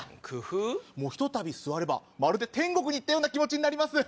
ひとたび座ればまるで天国に行ったような気持ちになります。